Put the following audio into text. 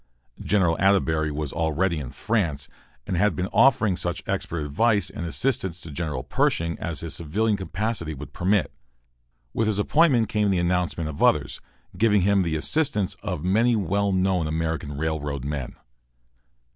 General Atterbury was already in France, and had been offering such expert advice and assistance to General Pershing as his civilian capacity would permit. With his appointment came the announcement of others, giving him the assistance of many well known American railroad men.